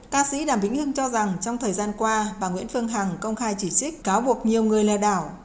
ca sĩ đàm vĩnh hưng cho rằng trong thời gian qua bà nguyễn phương hằng công khai chỉ trích cáo buộc nhiều người lừa đảo